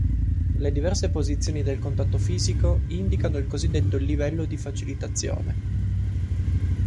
Le diverse posizioni del contatto fisico indicano il cosiddetto livello di facilitazione.